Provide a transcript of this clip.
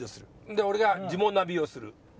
で俺がジモナビをする。